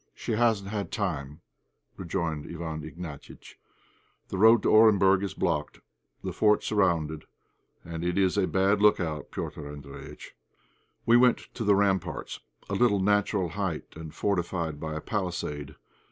"She hasn't had time," rejoined Iwán Ignatiitch. "The road to Orenburg is blocked, the fort surrounded, and it's a bad look out, Petr' Andréjïtch." We went to the ramparts, a little natural height, and fortified by a palisade.